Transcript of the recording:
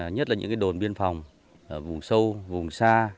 nhất là những đồn biên phòng vùng sâu vùng xa